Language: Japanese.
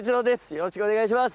よろしくお願いします